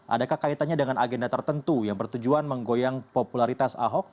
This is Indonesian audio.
adakah kaitannya dengan agenda tertentu yang bertujuan menggoyang popularitas ahok